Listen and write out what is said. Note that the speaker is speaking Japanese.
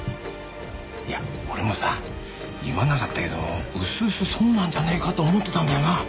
いや俺もさ言わなかったけど薄々そうなんじゃねえかと思ってたんだよな。